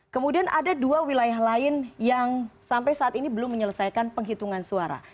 kemudian ada dua wilayah lain yang sampai saat ini belum menyelesaikan penghitungan suara